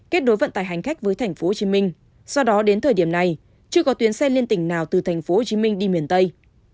kết nối vận tải hành khách với tp hcm do đó đến thời điểm này chưa có tuyến xe liên tỉnh nào từ tp hcm đi miền tây